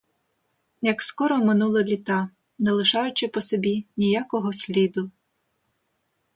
Як скоро минули літа, не лишаючи по собі ніякого сліду!